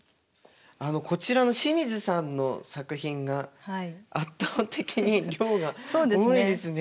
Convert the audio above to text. こちらの清水さんの作品が圧倒的に量が多いですね。